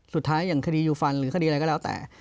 อย่างคดียูฟันหรือคดีอะไรก็แล้วแต่